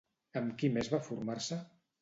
Amb qui més va formar-se?